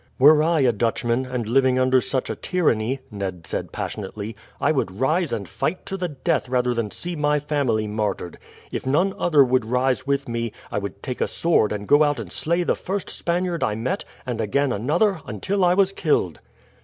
"Were I a Dutchman, and living under such a tyranny," Ned said passionately, "I would rise and fight to the death rather than see my family martyred. If none other would rise with me, I would take a sword and go out and slay the first Spaniard I met, and again another, until I was killed."